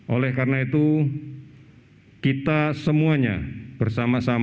oleh karena itu kita semuanya bersama sama